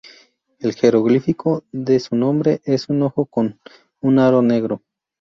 El jeroglífico de su nombre es un ojo con un aro negro.